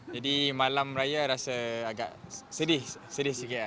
jadi malam raya rasa agak sedih sedih sikit